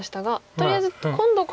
とりあえず今度打つと。